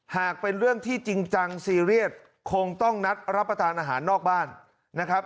หากเป็นเรื่องที่จริงจังซีเรียสคงต้องนัดรับประทานอาหารนอกบ้านนะครับ